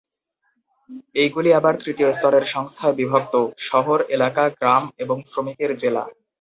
এইগুলি আবার তৃতীয় স্তরের সংস্থায় বিভক্ত: শহর, এলাকা, গ্রাম এবং শ্রমিকের জেলা।